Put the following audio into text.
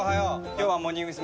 今日は「モーニング娘。」